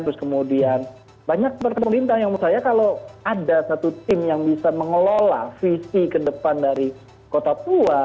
terus kemudian banyak pemerintah yang menurut saya kalau ada satu tim yang bisa mengelola visi ke depan dari kota tua